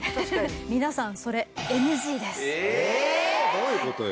どういう事よ？